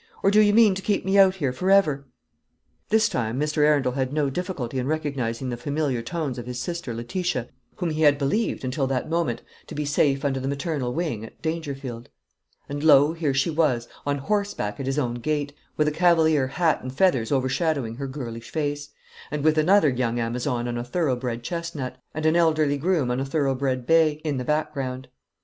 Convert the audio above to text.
Or do you mean to keep me out here for ever?" This time Mr. Arundel had no difficulty in recognising the familiar tones of his sister Letitia, whom he had believed, until that moment, to be safe under the maternal wing at Dangerfield. And lo, here she was, on horseback at his own gate; with a cavalier hat and feathers overshadowing her girlish face; and with another young Amazon on a thorough bred chestnut, and an elderly groom on a thorough bred bay, in the background.